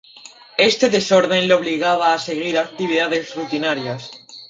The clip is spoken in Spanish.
Este desorden le obligaba a seguir actividades rutinarias.